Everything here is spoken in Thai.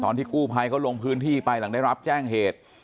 ที่กู้ภัยเขาลงพื้นที่ไปหลังได้รับแจ้งเหตุ